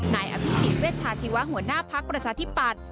นายอภิษฎเวชาชีวะหัวหน้าพักประชาธิปัตย